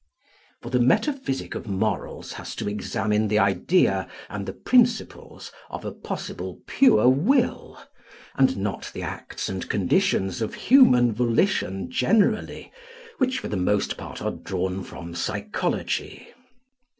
For the metaphysic of morals has to examine the idea and the principles of a possible pure will, and not the acts and conditions of human volition generally, which for the most part are drawn from psychology.